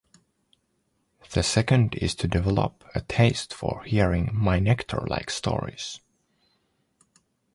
The second is to develop a taste for hearing My nectar-like stories.